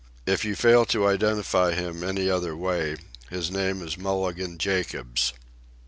If you fail to identify him any other way, his name is Mulligan Jacobs."